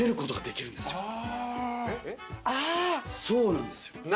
そうなんですよ。